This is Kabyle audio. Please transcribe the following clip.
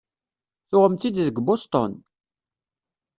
Tuɣem-tt-id deg Boston?